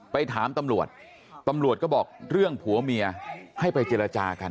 ไปถามตำรวจตำรวจก็บอกเรื่องผัวเมียให้ไปเจรจากัน